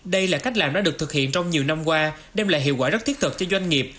đây là cách làm đã được thực hiện trong nhiều năm qua đem lại hiệu quả rất thiết thực cho doanh nghiệp